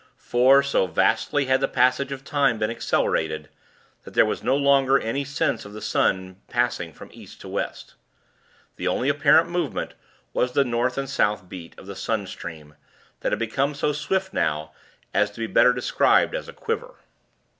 For, so vastly had the passage of time been accelerated, that there was no longer any sense of the sun passing from East to West. The only apparent movement was the North and South beat of the sun stream, that had become so swift now, as to be better described as a quiver.